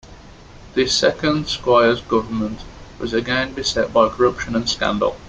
This second Squires government was again beset by corruption and scandal.